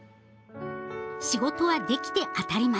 仕事はできて当たり前。